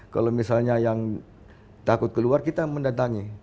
kalau misalnya yang takut keluar kita mendatangi